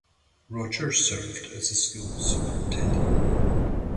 Rogers served as the school's superintendent.